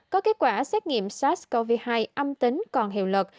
có kết quả xét nghiệm sars cov hai âm tính còn hiệu lực